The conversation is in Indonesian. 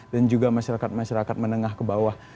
dan juga masyarakat masyarakat menengah ke bawah